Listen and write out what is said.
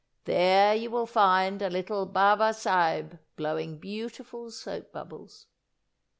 There you will find a little Baba Sahib blowing beautiful soap bubbles.